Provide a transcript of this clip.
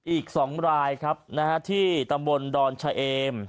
อีก๒รายครับที่ตำบลดอนชะเอม